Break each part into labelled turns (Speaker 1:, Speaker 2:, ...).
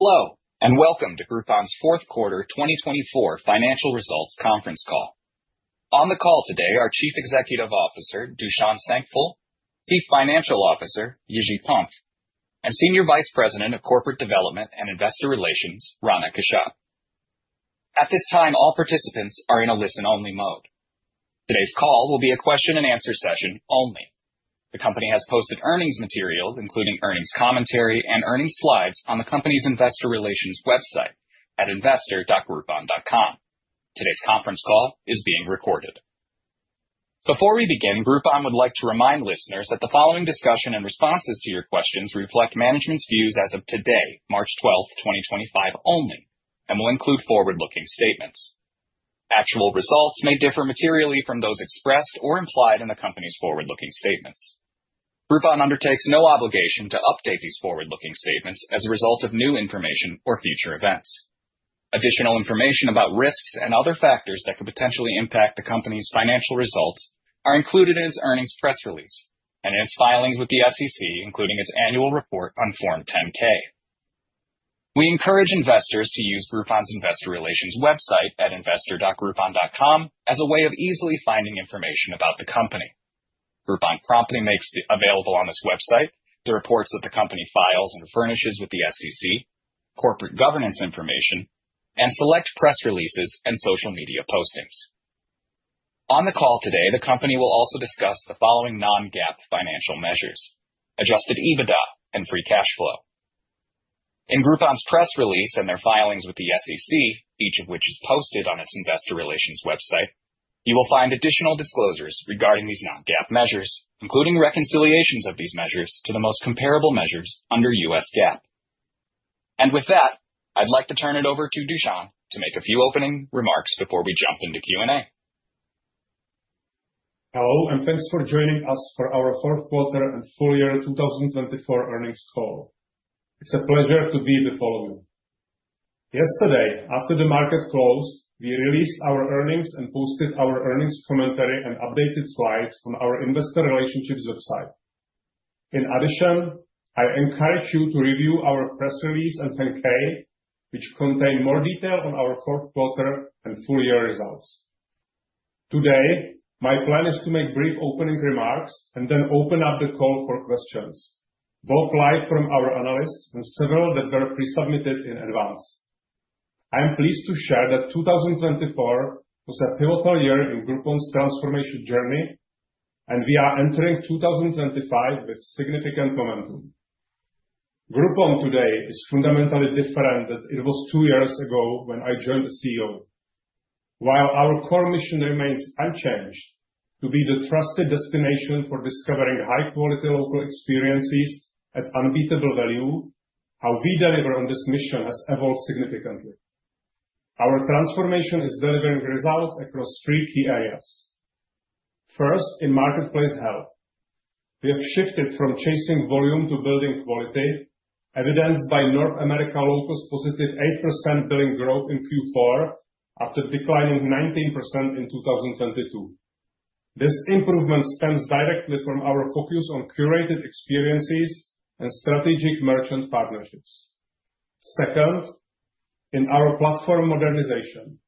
Speaker 1: Hello, and welcome to Groupon's fourth quarter 2024 financial results conference call. On the call today are Chief Executive Officer Dusan Senkypl, Chief Financial Officer Jiri Ponrt, and Senior Vice President of Corporate Development and Investor Relations Rana Kashyap. At this time, all participants are in a listen-only mode. Today's call will be a question-and-answer session only. The company has posted earnings material, including earnings commentary and earnings slides, on the company's Investor Relations website at investor.groupon.com. Today's conference call is being recorded. Before we begin, Groupon would like to remind listeners that the following discussion and responses to your questions reflect management's views as of today, March 12, 2025, only, and will include forward-looking statements. Actual results may differ materially from those expressed or implied in the company's forward-looking statements. Groupon undertakes no obligation to update these forward-looking statements as a result of new information or future events. Additional information about risks and other factors that could potentially impact the company's financial results are included in its earnings press release and in its filings with the SEC, including its annual report on Form 10-K. We encourage investors to use Groupon's Investor Relations website at investor.groupon.com as a way of easily finding information about the company. Groupon promptly makes available on this website the reports that the company files and furnishes with the SEC, corporate governance information, and select press releases and social media postings. On the call today, the company will also discuss the following non-GAAP financial measures: adjusted EBITDA and free cash flow. In Groupon's press release and their filings with the SEC, each of which is posted on its Investor Relations website, you will find additional disclosures regarding these non-GAAP measures, including reconciliations of these measures to the most comparable measures under U.S. GAAP. With that, I'd like to turn it over to Dusan to make a few opening remarks before we jump into Q&A.
Speaker 2: Hello, and thanks for joining us for our fourth quarter and full year 2024 earnings call. It's a pleasure to be with all of you. Yesterday, after the market closed, we released our earnings and posted our earnings commentary and updated slides on our Investor Relations website. In addition, I encourage you to review our press release and 10-K, which contain more detail on our fourth quarter and full year results. Today, my plan is to make brief opening remarks and then open up the call for questions, both live from our analysts and several that were pre-submitted in advance. I am pleased to share that 2024 was a pivotal year in Groupon's transformation journey, and we are entering 2025 with significant momentum. Groupon today is fundamentally different than it was two years ago when I joined as CEO. While our core mission remains unchanged to be the trusted destination for discovering high-quality local experiences at unbeatable value, how we deliver on this mission has evolved significantly. Our transformation is delivering results across three key areas. First, in marketplace health. We have shifted from chasing volume to building quality, evidenced by North America Local's +8% billing growth in Q4 after declining 19% in 2022. This improvement stems directly from our focus on curated experiences and strategic merchant partnerships. Second, in our platform modernization,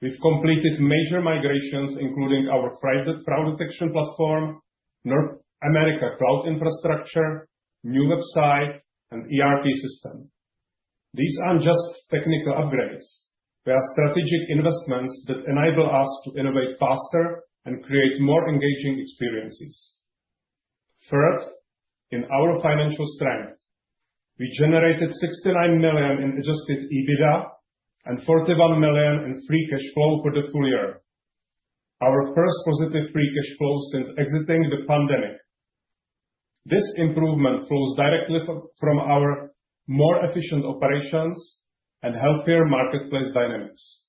Speaker 2: we have completed major migrations, including our fraud detection platform, North America cloud infrastructure, new website, and ERP system. These are not just technical upgrades. They are strategic investments that enable us to innovate faster and create more engaging experiences. Third, in our financial strength, we generated $69 million in adjusted EBITDA and $41 million in free cash flow for the full year. Our first positive free cash flow since exiting the pandemic. This improvement flows directly from our more efficient operations and healthier marketplace dynamics.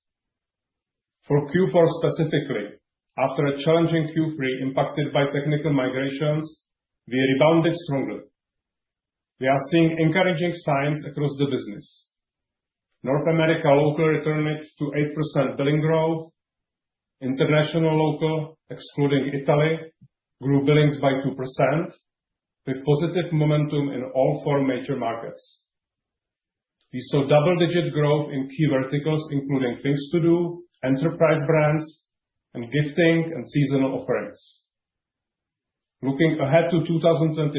Speaker 2: For Q4 specifically, after a challenging Q3 impacted by technical migrations, we rebounded strongly. We are seeing encouraging signs across the business. North America Local returned to 8% billing growth. International Local, excluding Italy, grew billings by 2% with positive momentum in all four major markets. We saw double-digit growth in key verticals, including Things to Do, enterprise brands, and gifting and seasonal offerings. Looking ahead to 2025,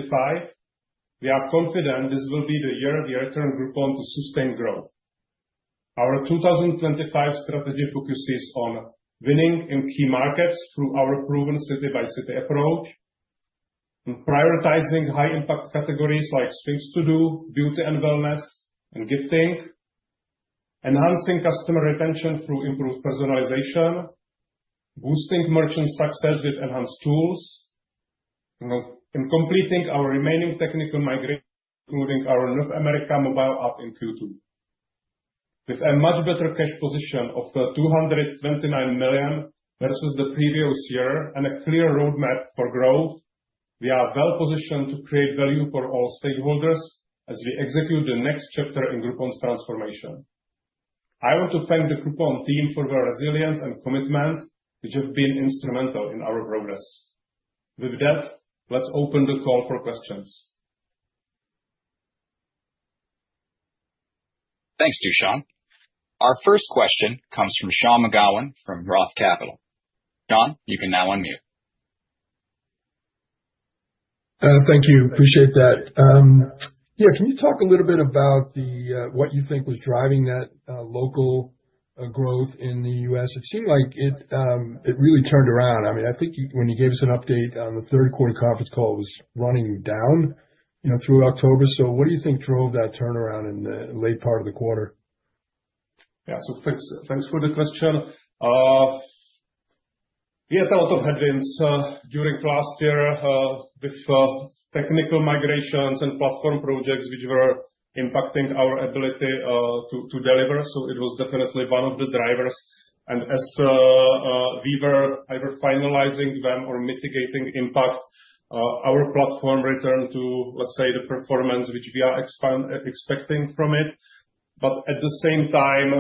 Speaker 2: we are confident this will be the year we return Groupon to sustain growth. Our 2025 strategy focuses on winning in key markets through our proven city-by-city approach, prioritizing high-impact categories like Things to Do, Beauty & Wellness, and gifting, enhancing customer retention through improved personalization, boosting merchant success with enhanced tools, and completing our remaining technical migration, including our North America mobile app in Q2. With a much better cash position of $229 million versus the previous year and a clear roadmap for growth, we are well-positioned to create value for all stakeholders as we execute the next chapter in Groupon's transformation. I want to thank the Groupon team for their resilience and commitment, which have been instrumental in our progress. With that, let's open the call for questions.
Speaker 1: Thanks, Dusan. Our first question comes from Sean McGowan from Roth Capital. Sean, you can now unmute.
Speaker 3: Thank you. Appreciate that. Yeah, can you talk a little bit about what you think was driving that Local growth in the U.S.? It seemed like it really turned around. I mean, I think when you gave us an update on the third quarter conference call, it was running down through October. So what do you think drove that turnaround in the late part of the quarter?
Speaker 2: Yeah, thanks for the question. We had a lot of headwinds during last year with technical migrations and platform projects, which were impacting our ability to deliver. It was definitely one of the drivers. As we were either finalizing them or mitigating impact, our platform returned to, let's say, the performance which we are expecting from it. At the same time,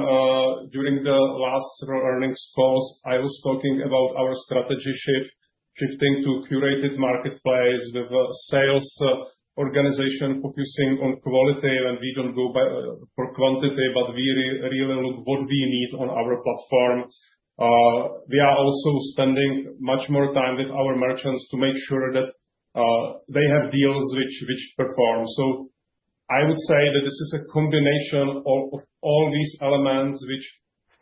Speaker 2: during the last several earnings calls, I was talking about our strategy shifting to a curated marketplace with a sales organization focusing on quality. We do not go for quantity, but we really look at what we need on our platform. We are also spending much more time with our merchants to make sure that they have deals which perform. I would say that this is a combination of all these elements, which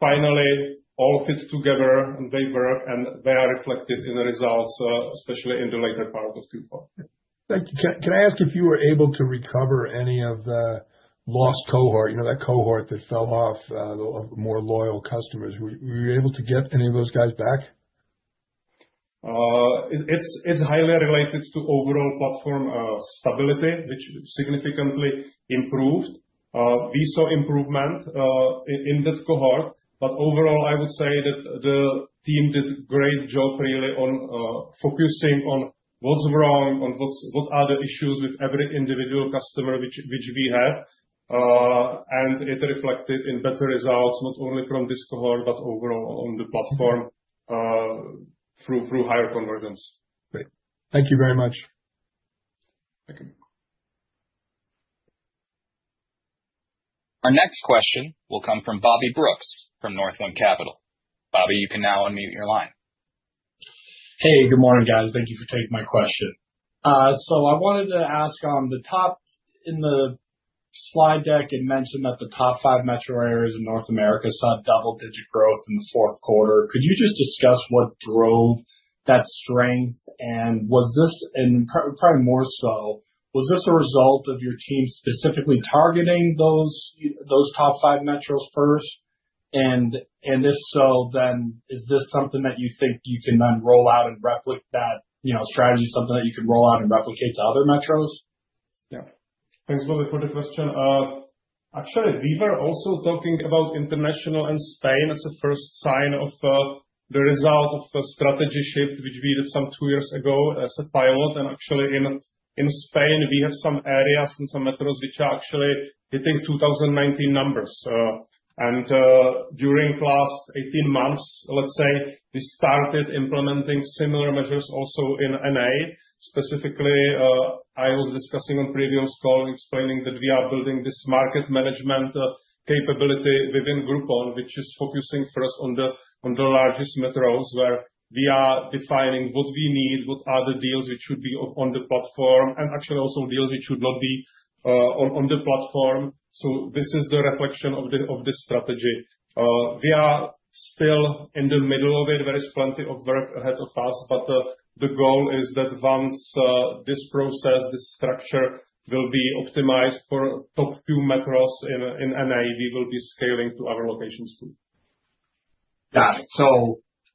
Speaker 2: finally all fit together, and they work, and they are reflected in the results, especially in the later part of Q4.
Speaker 3: Thank you. Can I ask if you were able to recover any of the lost cohort, that cohort that fell off of more loyal customers? Were you able to get any of those guys back?
Speaker 2: It's highly related to overall platform stability, which significantly improved. We saw improvement in that cohort. Overall, I would say that the team did a great job, really, on focusing on what's wrong, on what are the issues with every individual customer which we have. It reflected in better results, not only from this cohort, but overall on the platform through higher conversions.
Speaker 3: Great. Thank you very much.
Speaker 2: Thank you.
Speaker 1: Our next question will come from Bobby Brooks from Northland Capital. Bobby, you can now unmute your line.
Speaker 4: Hey, good morning, guys. Thank you for taking my question. I wanted to ask, on the top in the slide deck, it mentioned that the top five metro areas in North America saw double-digit growth in the fourth quarter. Could you just discuss what drove that strength? Was this, and probably more so, was this a result of your team specifically targeting those top five metros first? If so, is this something that you think you can then roll out and replicate that strategy, something that you can roll out and replicate to other metros?
Speaker 2: Yeah. Thanks Bobby for the question. Actually, we were also talking about international and Spain as a first sign of the result of the strategy shift which we did some two years ago as a pilot. Actually, in Spain, we have some areas and some metros which are actually hitting 2019 numbers. During the last 18 months, let's say, we started implementing similar measures also in N.A., specifically I was discussing on previous call and explaining that we are building this market management capability within Groupon, which is focusing first on the largest metros where we are defining what we need, what are the deals which should be on the platform, and actually also deals which should not be on the platform. This is the reflection of this strategy. We are still in the middle of it. There is plenty of work ahead of us. The goal is that once this process, this structure will be optimized for the top few metros in N.A., we will be scaling to our locations too.
Speaker 4: Got it.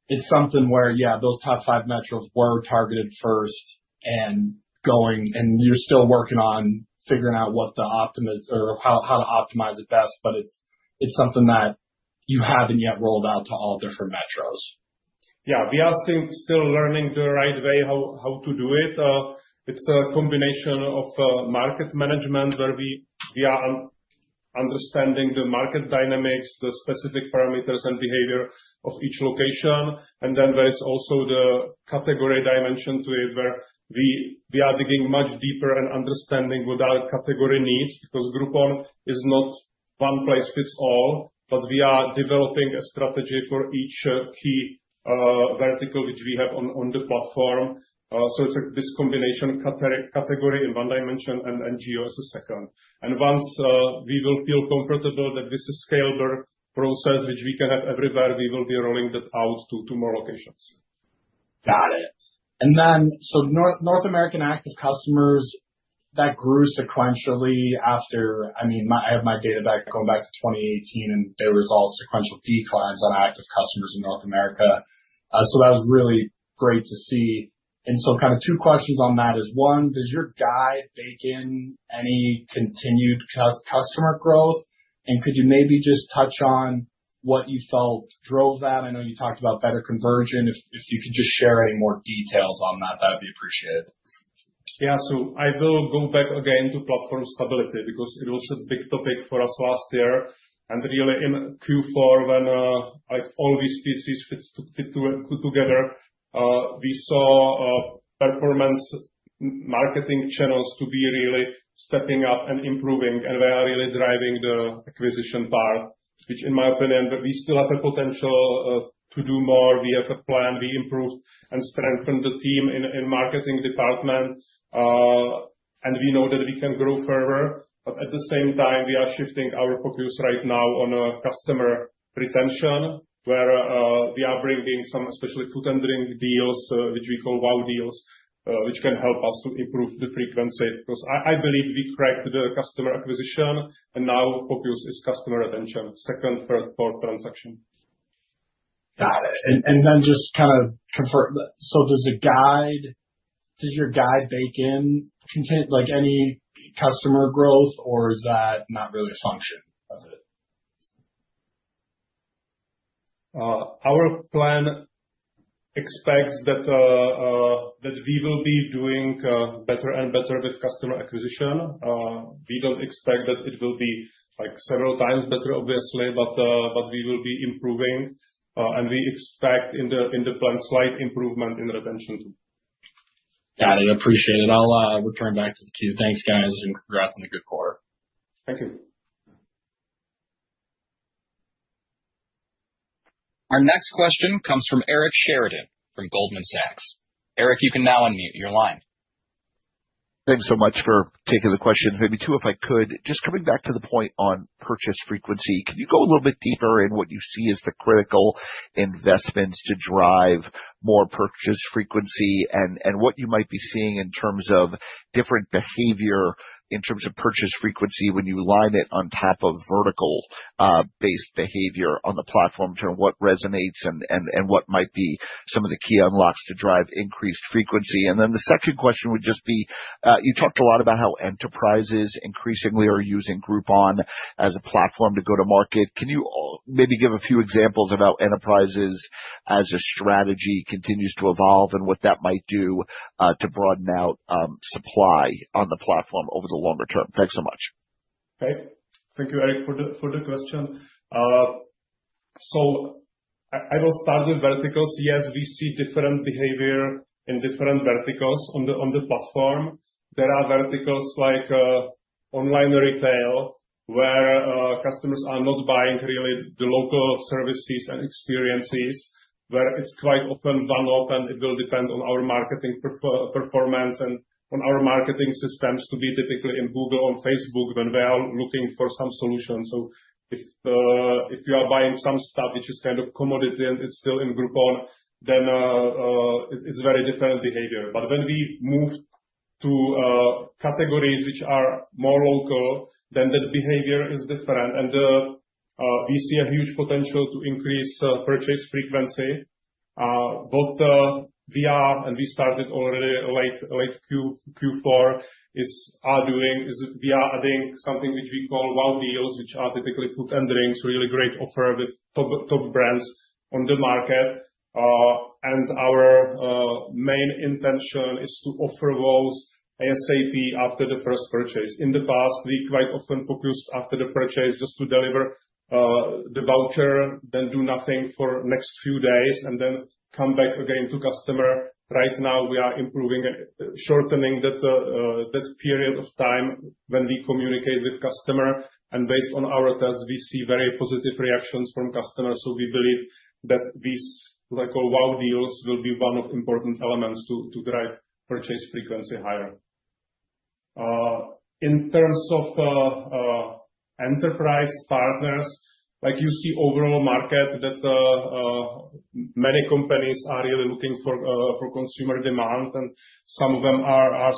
Speaker 4: It is something where, yeah, those top five metros were targeted first and going, and you're still working on figuring out what the optimal or how to optimize it best. It is something that you haven't yet rolled out to all different metros.
Speaker 2: Yeah, we are still learning the right way how to do it. It's a combination of market management where we are understanding the market dynamics, the specific parameters, and behavior of each location. There is also the category dimension to it where we are digging much deeper and understanding what our category needs because Groupon is not one place fits all. We are developing a strategy for each key vertical which we have on the platform. It's this combination of category in one dimension and geo as a second. Once we will feel comfortable that this is a scalable process which we can have everywhere, we will be rolling that out to more locations.
Speaker 4: Got it. North American active customers, that grew sequentially after, I mean, I have my data back going back to 2018, and there was all sequential declines on active customers in North America. That was really great to see. Kind of two questions on that is, one, does your guide bake in any continued customer growth? Could you maybe just touch on what you felt drove that? I know you talked about better conversion. If you could just share any more details on that, that would be appreciated.
Speaker 2: Yeah, I will go back again to platform stability because it was a big topic for us last year. Really in Q4, when all these pieces fit together, we saw performance marketing channels to be really stepping up and improving. We are really driving the acquisition part, which in my opinion, we still have the potential to do more. We have a plan. We improved and strengthened the team in the marketing department. We know that we can grow further. At the same time, we are shifting our focus right now on customer retention, where we are bringing some especially food and drink deals, which we call WOW Deals, which can help us to improve the frequency because I believe we cracked the customer acquisition. Now focus is customer retention, second, third, fourth transaction.
Speaker 4: Got it. And then just kind of confirm, so does your guide bake in any customer growth, or is that not really a function of it?
Speaker 2: Our plan expects that we will be doing better and better with customer acquisition. We do not expect that it will be several times better, obviously, but we will be improving. We expect in the plan slight improvement in retention too.
Speaker 4: Got it. Appreciate it. I'll return back to the queue. Thanks, guys, and congrats on the good quarter.
Speaker 2: Thank you.
Speaker 1: Our next question comes from Eric Sheridan from Goldman Sachs. Eric, you can now unmute. You're online.
Speaker 5: Thanks so much for taking the question. Maybe two, if I could. Just coming back to the point on purchase frequency, can you go a little bit deeper in what you see as the critical investments to drive more purchase frequency and what you might be seeing in terms of different behavior in terms of purchase frequency when you line it on top of vertical-based behavior on the platform, what resonates, and what might be some of the key unlocks to drive increased frequency? The second question would just be, you talked a lot about how enterprises increasingly are using Groupon as a platform to go to market. Can you maybe give a few examples of how enterprises as a strategy continues to evolve and what that might do to broaden out supply on the platform over the longer term? Thanks so much.
Speaker 2: Okay. Thank you, Eric, for the question. I will start with verticals. Yes, we see different behavior in different verticals on the platform. There are verticals like online retail where customers are not buying really the Local services and experiences, where it's quite often one-off, and it will depend on our marketing performance and on our marketing systems to be typically in Google or Facebook when we are looking for some solutions. If you are buying some stuff, which is kind of commodity, and it's still in Groupon, then it's very different behavior. When we move to categories which are more local, that behavior is different. We see a huge potential to increase purchase frequency. What we are, and we started already late Q4, are doing is we are adding something which we call WOW Deals, which are typically food and drinks, really great offer with top brands on the market. Our main intention is to offer those ASAP after the first purchase. In the past, we quite often focused after the purchase just to deliver the voucher, then do nothing for the next few days, and then come back again to customer. Right now, we are improving, shortening that period of time when we communicate with customer. Based on our tests, we see very positive reactions from customers. We believe that these WOW Deals will be one of the important elements to drive purchase frequency higher. In terms of enterprise partners, you see overall market that many companies are really looking for consumer demand, and some of them are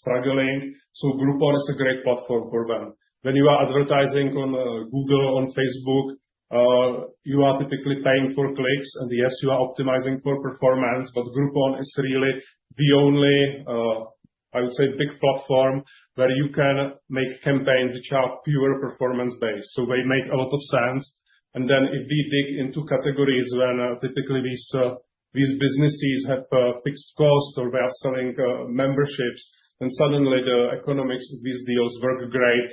Speaker 2: struggling. Groupon is a great platform for them. When you are advertising on Google, on Facebook, you are typically paying for clicks. Yes, you are optimizing for performance. Groupon is really the only, I would say, big platform where you can make campaigns which are pure performance-based. They make a lot of sense. If we dig into categories where typically these businesses have fixed costs or they are selling memberships, suddenly the economics of these deals work great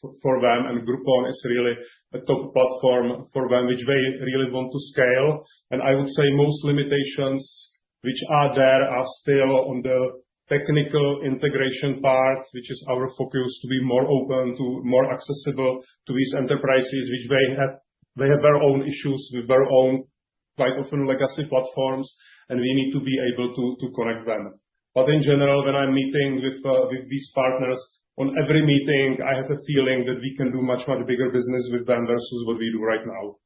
Speaker 2: for them. Groupon is really a top platform for them which they really want to scale. I would say most limitations which are there are still on the technical integration part, which is our focus to be more open, more accessible to these enterprises which have their own issues with their own quite often legacy platforms. We need to be able to connect them. In general, when I'm meeting with these partners on every meeting, I have a feeling that we can do much, much bigger business with them versus what we do right now.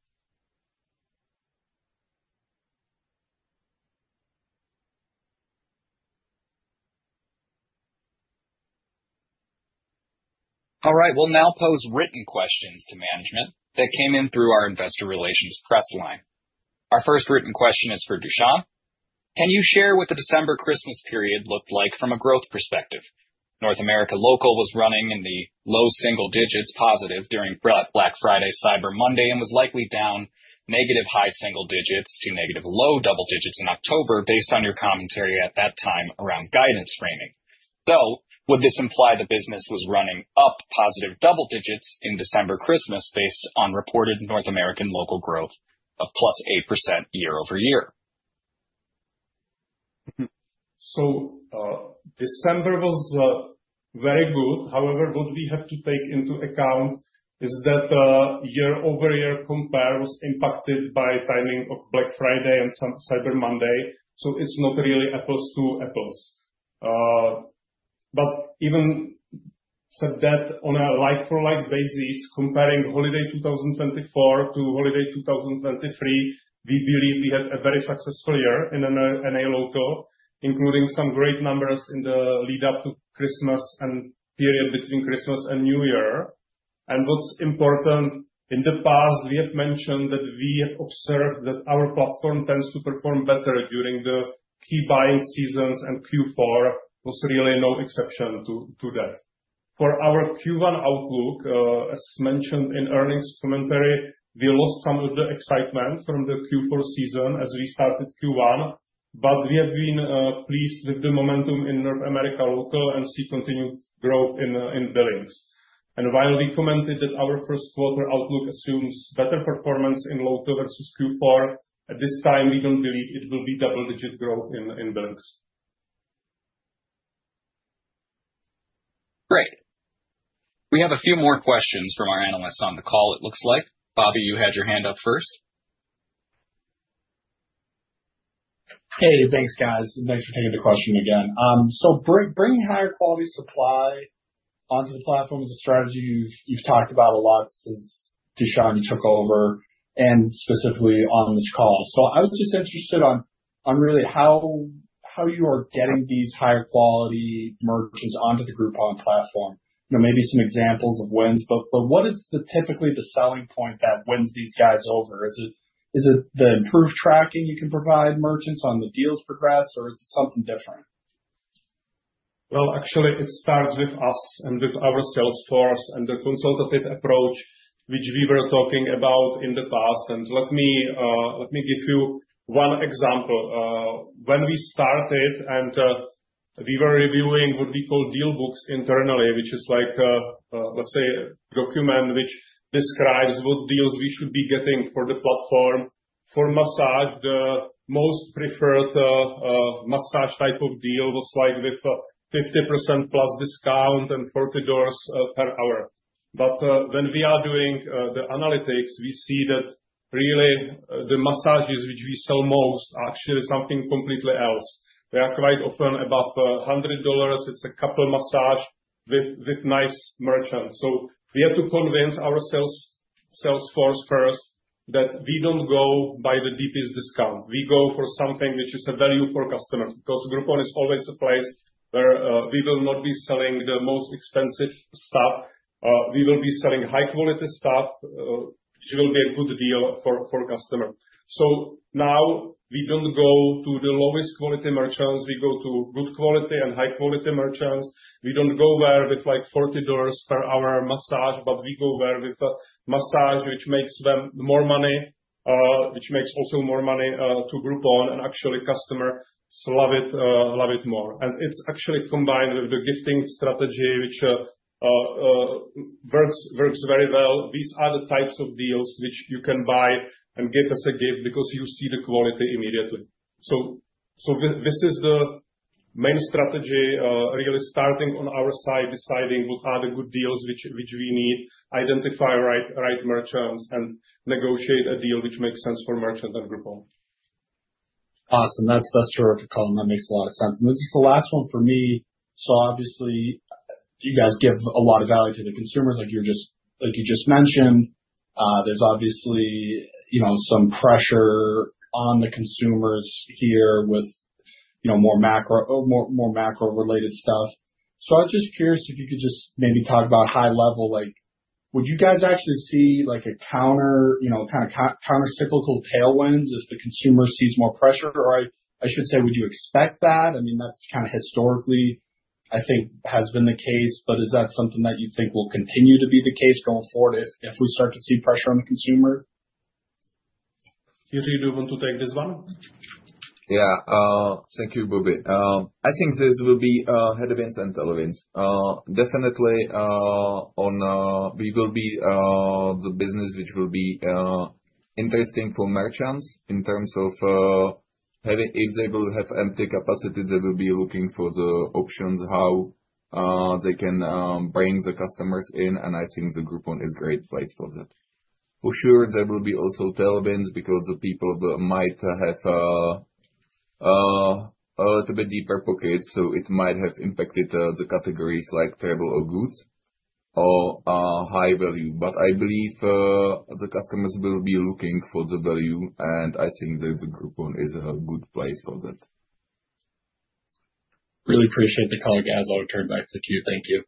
Speaker 1: All right. We'll now pose written questions to management that came in through our investor relations press line. Our first written question is for Dusan. Can you share what the December Christmas period looked like from a growth perspective? North America Local was running in the low single digits positive during Black Friday, Cyber Monday, and was likely down negative high single digits to negative low double digits in October based on your commentary at that time around guidance framing. Though, would this imply the business was running up positive double digits in December Christmas based on reported North American Local growth of +8% year over year?
Speaker 2: December was very good. However, what we have to take into account is that year-over-year compare was impacted by timing of Black Friday and Cyber Monday. It is not really apples to apples. Even said that, on a like-for-like basis, comparing holiday 2024 to holiday 2023, we believe we had a very successful year in N.A. Local, including some great numbers in the lead-up to Christmas and period between Christmas and New Year. What is important, in the past, we have mentioned that we have observed that our platform tends to perform better during the key buying seasons, and Q4 was really no exception to that. For our Q1 outlook, as mentioned in earnings commentary, we lost some of the excitement from the Q4 season as we started Q1. We have been pleased with the momentum in North America Local and see continued growth in billings. While we commented that our first quarter outlook assumes better performance in Local versus Q4, at this time, we don't believe it will be double-digit growth in billings.
Speaker 1: Great. We have a few more questions from our analysts on the call, it looks like. Bobby, you had your hand up first.
Speaker 4: Hey, thanks, guys. Thanks for taking the question again. Bringing higher quality supply onto the platform is a strategy you've talked about a lot since Dusan took over and specifically on this call. I was just interested on really how you are getting these higher quality merchants onto the Groupon platform. Maybe some examples of wins. What is typically the selling point that wins these guys over? Is it the improved tracking you can provide merchants on the deals progress, or is it something different?
Speaker 2: Actually, it starts with us and with our sales force and the consultative approach, which we were talking about in the past. Let me give you one example. When we started, and we were reviewing what we call deal books internally, which is like, let's say, a document which describes what deals we should be getting for the platform. For massage, the most preferred massage type of deal was like with 50%+ discount and $40 per hour. When we are doing the analytics, we see that really the massages which we sell most are actually something completely else. They are quite often above $100. It's a couple massage with nice merchants. We have to convince our sales force first that we don't go by the deepest discount. We go for something which is a value for customers because Groupon is always a place where we will not be selling the most expensive stuff. We will be selling high-quality stuff, which will be a good deal for customers. Now we don't go to the lowest quality merchants. We go to good quality and high-quality merchants. We don't go there with like $40 per hour massage, but we go there with massage, which makes them more money, which makes also more money to Groupon. Actually, customers love it more. It's actually combined with the gifting strategy, which works very well. These are the types of deals which you can buy and give as a gift because you see the quality immediately. This is the main strategy, really starting on our side, deciding what are the good deals which we need, identify right merchants, and negotiate a deal which makes sense for merchants and Groupon.
Speaker 4: Awesome. That's terrific. That makes a lot of sense. This is the last one for me. Obviously, you guys give a lot of value to the consumers. Like you just mentioned, there's obviously some pressure on the consumers here with more macro-related stuff. I was just curious if you could just maybe talk about high level. Would you guys actually see a kind of countercyclical tailwinds as the consumer sees more pressure? Or I should say, would you expect that? I mean, that's kind of historically, I think, has been the case. Is that something that you think will continue to be the case going forward if we start to see pressure on the consumer?
Speaker 2: Jiri, you do want to take this one?
Speaker 6: Yeah. Thank you, Bobby. I think this will be headwinds and tailwinds. Definitely, we will be the business which will be interesting for merchants in terms of if they will have empty capacity, they will be looking for the options, how they can bring the customers in. I think Groupon is a great place for that. For sure, there will be also tailwinds because the people might have a little bit deeper pockets. It might have impacted the categories like travel or goods or high value. I believe the customers will be looking for the value. I think that Groupon is a good place for that.
Speaker 4: Really appreciate the call, guys. I'll turn back to the queue. Thank you.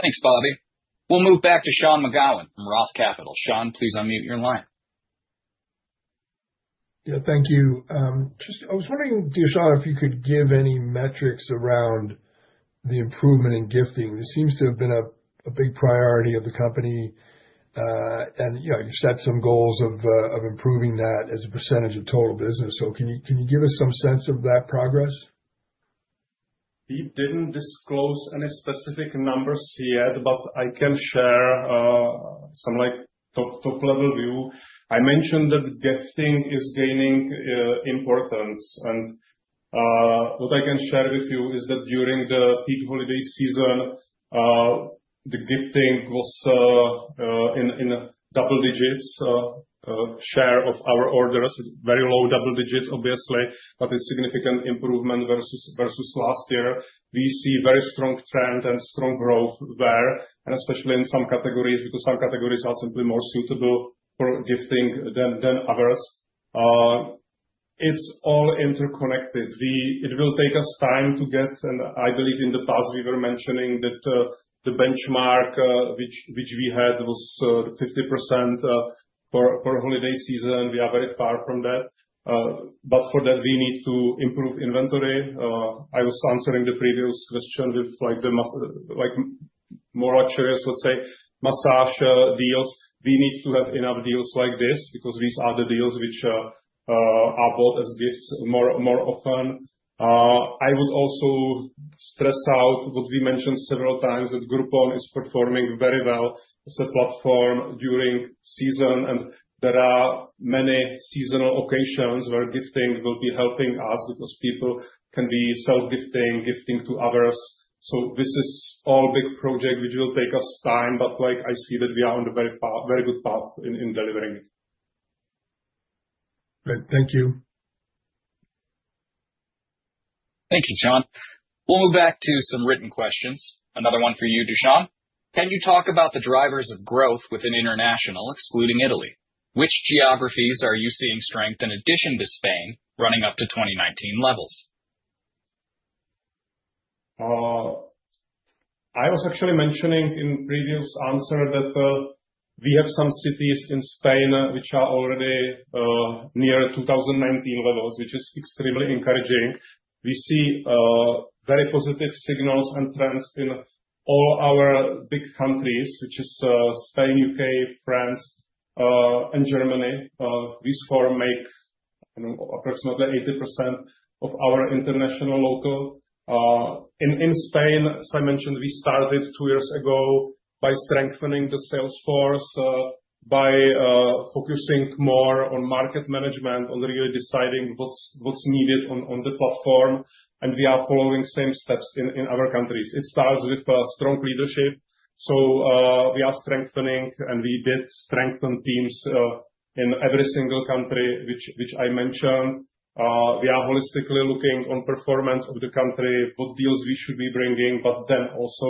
Speaker 1: Thanks, Bobby. We'll move back to Sean McGowan from Roth Capital. Sean, please unmute your line.
Speaker 3: Yeah, thank you. I was wondering, Dusan, if you could give any metrics around the improvement in gifting. This seems to have been a big priority of the company. You set some goals of improving that as a percentage of total business. Can you give us some sense of that progress?
Speaker 2: We did not disclose any specific numbers yet, but I can share some top-level view. I mentioned that gifting is gaining importance. What I can share with you is that during the peak holiday season, the gifting was in double digits share of our orders, very low double digits, obviously, but a significant improvement versus last year. We see a very strong trend and strong growth there, and especially in some categories because some categories are simply more suitable for gifting than others. It is all interconnected. It will take us time to get. I believe in the past, we were mentioning that the benchmark which we had was 50% for holiday season. We are very far from that. For that, we need to improve inventory. I was answering the previous question with more luxurious, let's say, massage deals. We need to have enough deals like this because these are the deals which are bought as gifts more often. I would also stress what we mentioned several times, that Groupon is performing very well as a platform during season. There are many seasonal occasions where gifting will be helping us because people can be self-gifting, gifting to others. This is all a big project which will take us time. I see that we are on a very good path in delivering it.
Speaker 3: Great. Thank you.
Speaker 1: Thank you, Sean. We'll move back to some written questions. Another one for you, Dusan. Can you talk about the drivers of growth within international, excluding Italy? Which geographies are you seeing strength in, in addition to Spain running up to 2019 levels?
Speaker 2: I was actually mentioning in previous answer that we have some cities in Spain which are already near 2019 levels, which is extremely encouraging. We see very positive signals and trends in all our big countries, which is Spain, U.K., France, and Germany. These four make approximately 80% of our International Local. In Spain, as I mentioned, we started two years ago by strengthening the sales force, by focusing more on market management, on really deciding what's needed on the platform. We are following same steps in other countries. It starts with strong leadership. We are strengthening, and we did strengthen teams in every single country which I mentioned. We are holistically looking on performance of the country, what deals we should be bringing, but then also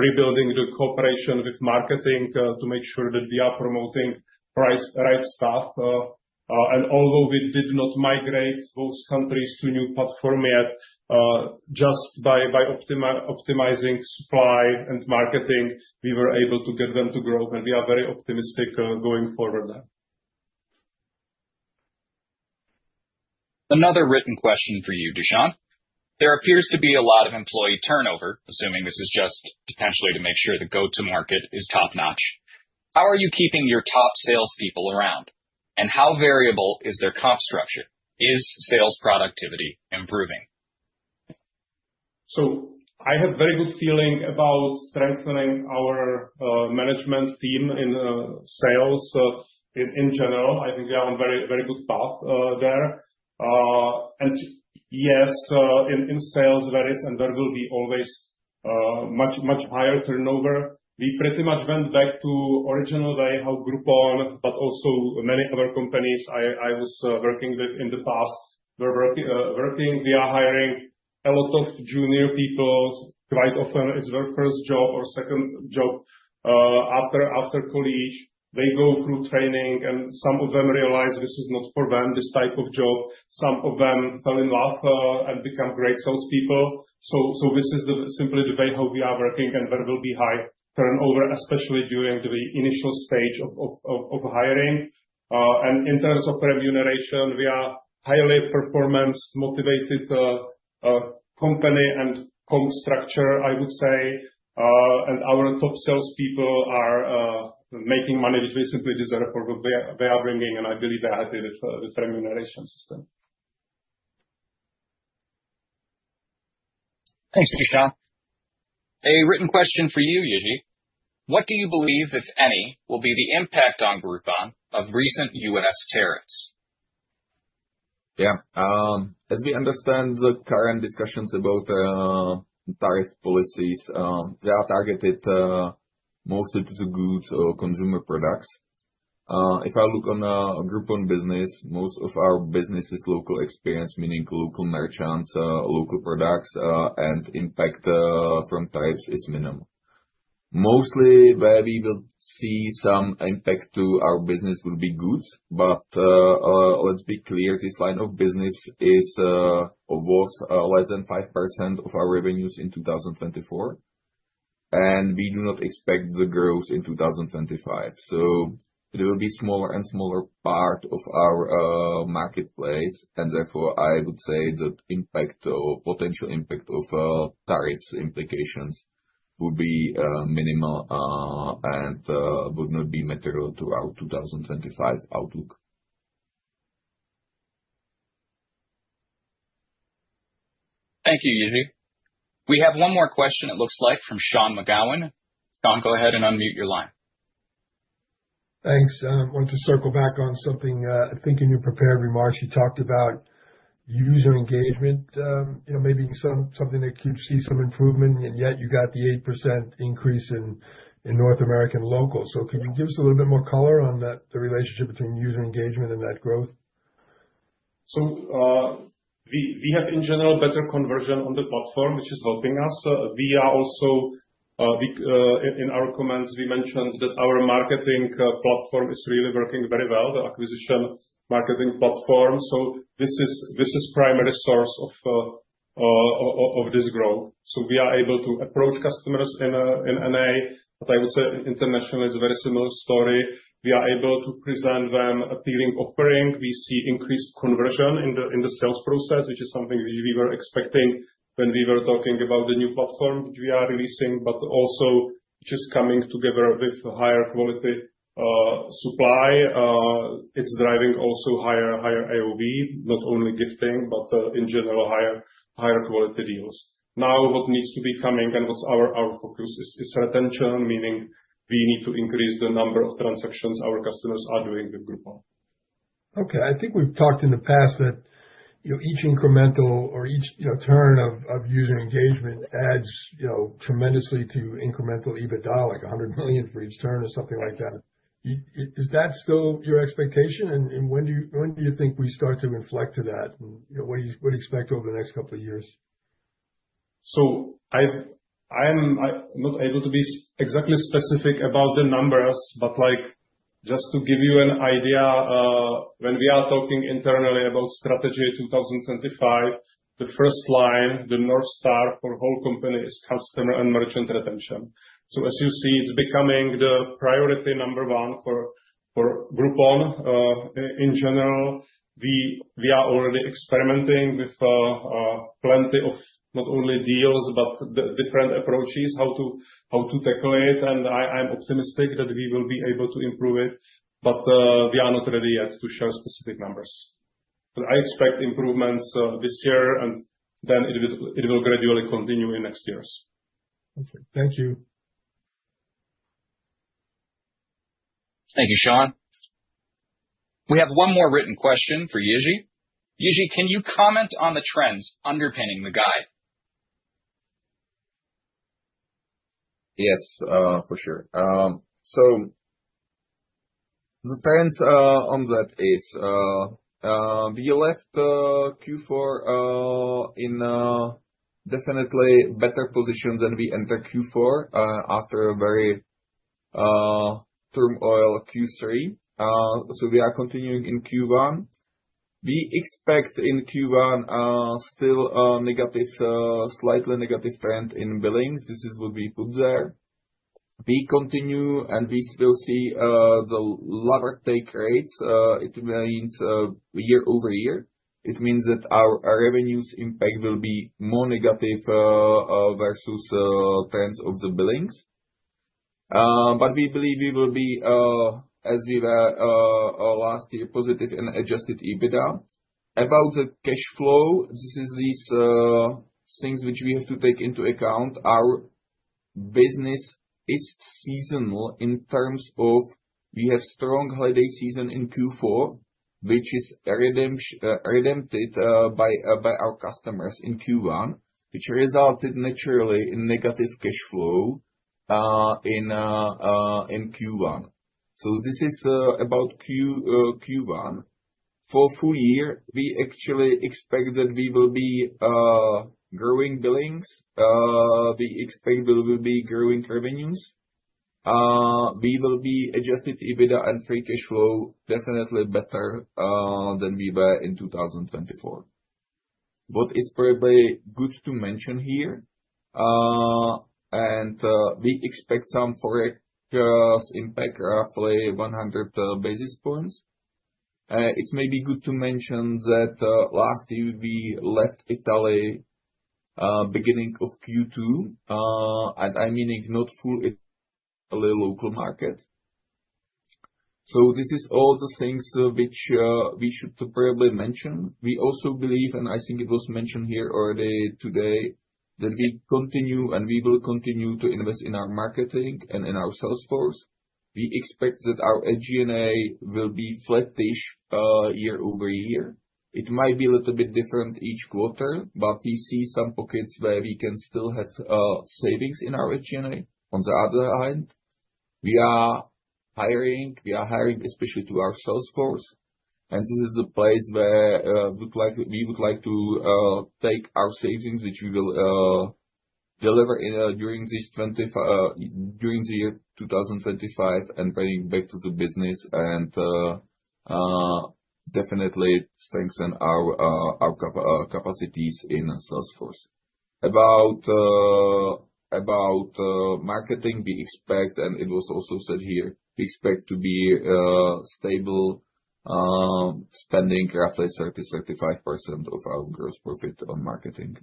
Speaker 2: rebuilding the cooperation with marketing to make sure that we are promoting right stuff. Although we did not migrate those countries to a new platform yet, just by optimizing supply and marketing, we were able to get them to growth. We are very optimistic going forward there.
Speaker 1: Another written question for you, Dusan. There appears to be a lot of employee turnover, assuming this is just potentially to make sure the go-to-market is top-notch. How are you keeping your top salespeople around? How variable is their comp structure? Is sales productivity improving?
Speaker 2: I have a very good feeling about strengthening our management team in sales in general. I think we are on a very good path there. Yes, in sales, there is and there will be always much higher turnover. We pretty much went back to the original way how Groupon, but also many other companies I was working with in the past, were working. We are hiring a lot of junior people. Quite often, it's their first job or second job after college. They go through training, and some of them realize this is not for them, this type of job. Some of them fell in love and became great salespeople. This is simply the way how we are working and there will be high turnover, especially during the initial stage of hiring. In terms of remuneration, we are a highly performance-motivated company and comp structure, I would say. Our top salespeople are making money which they simply deserve for what they are bringing. I believe they are happy with the remuneration system.
Speaker 1: Thanks, Dusan. A written question for you, Jiri. What do you believe, if any, will be the impact on Groupon of recent U.S. tariffs?
Speaker 6: Yeah. As we understand the current discussions about tariff policies, they are targeted mostly to the goods or consumer products. If I look on Groupon business, most of our business is local experience, meaning local merchants, local products, and impact from tariffs is minimal. Mostly, where we will see some impact to our business would be goods. Let's be clear, this line of business was less than 5% of our revenues in 2024. We do not expect the growth in 2025. It will be a smaller and smaller part of our marketplace. Therefore, I would say that potential impact of tariffs implications would be minimal and would not be material to our 2025 outlook.
Speaker 1: Thank you, Jiri. We have one more question, it looks like, from Sean McGowan. Sean, go ahead and unmute your line.
Speaker 3: Thanks. I want to circle back on something. I think in your prepared remarks, you talked about user engagement maybe something that could see some improvement, and yet you got the 8% increase in North American Local. Can you give us a little bit more color on the relationship between user engagement and that growth?
Speaker 2: We have, in general, better conversion on the platform, which is helping us. In our comments, we mentioned that our marketing platform is really working very well, the acquisition marketing platform. This is the primary source of this growth. We are able to approach customers in N.A. I would say internationally, it's a very similar story. We are able to present them a compelling offering. We see increased conversion in the sales process, which is something we were expecting when we were talking about the new platform which we are releasing, but also just coming together with higher quality supply. It's driving also higher AOV, not only gifting, but in general, higher quality deals. Now, what needs to be coming and what's our focus is retention, meaning we need to increase the number of transactions our customers are doing with Groupon.
Speaker 3: Okay. I think we've talked in the past that each incremental or each turn of user engagement adds tremendously to incremental EBITDA, like $100 million for each turn or something like that. Is that still your expectation? When do you think we start to inflect to that? What do you expect over the next couple of years?
Speaker 2: I'm not able to be exactly specific about the numbers, but just to give you an idea, when we are talking internally about strategy 2025, the first line, the North Star for the whole company is customer and merchant retention. As you see, it's becoming the priority number one for Groupon in general. We are already experimenting with plenty of not only deals, but different approaches how to tackle it. I'm optimistic that we will be able to improve it. We are not ready yet to share specific numbers. I expect improvements this year, and then it will gradually continue in next years.
Speaker 3: Perfect. Thank you.
Speaker 1: Thank you, Sean. We have one more written question for Jiri. Jiri, can you comment on the trends underpinning the guide?
Speaker 6: Yes, for sure. The trends on that are we left Q4 in definitely better position than we entered Q4 after a very turmoil Q3. We are continuing in Q1. We expect in Q1 still a slightly negative trend in billings. This is what we put there. We continue, and we still see the lower take rates. It means year over year. It means that our revenues impact will be more negative versus trends of the billings. We believe we will be, as we were last year, positive in adjusted EBITDA. About the cash flow, these are things which we have to take into account. Our business is seasonal in terms of we have strong holiday season in Q4, which is redempted by our customers in Q1, which resulted naturally in negative cash flow in Q1. This is about Q1. For full year, we actually expect that we will be growing billings. We expect we will be growing revenues. We will be adjusted EBITDA and free cash flow definitely better than we were in 2024. What is probably good to mention here? We expect some forex impact roughly 100 basis points. It is maybe good to mention that last year, we left Italy beginning of Q2, and I meaning not fully a Local market. This is all the things which we should probably mention. We also believe, and I think it was mentioned here already today, that we continue and we will continue to invest in our marketing and in our sales force. We expect that our SG&A will be flattish year over year. It might be a little bit different each quarter, but we see some pockets where we can still have savings in our SG&A. On the other hand, we are hiring, we are hiring especially to our sales force. This is a place where we would like to take our savings, which we will deliver during the year 2025 and bring it back to the business and definitely strengthen our capacities in sales force. About marketing, we expect, and it was also said here, we expect to be stable spending roughly 30%-35% of our gross profit on marketing,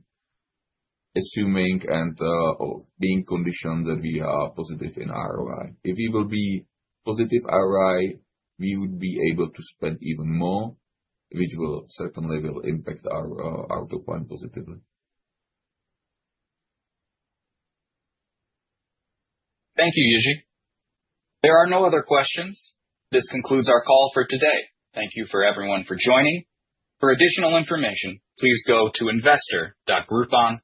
Speaker 6: assuming and being conditioned that we are positive in ROI. If we will be positive ROI, we would be able to spend even more, which will certainly impact our outlook positively.
Speaker 1: Thank you, Jiri. There are no other questions. This concludes our call for today. Thank you everyone for joining. For additional information, please go to investor.groupon.com.